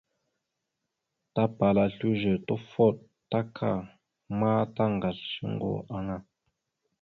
Tapala slʉze, tufoɗ, taka ma tagasl shʉŋgo aŋa.